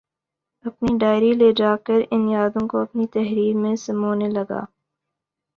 اپنی ڈائری لے جا کر ان یادوں کو اپنی تحریر میں سمونے لگا